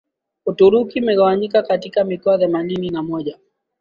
Uturuki imegawanywa katika mikoa themanini na moja